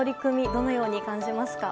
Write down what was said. どのように感じますか？